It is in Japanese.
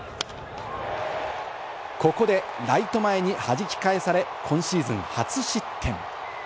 ここでライト前にはじき返され、今シーズン初失点。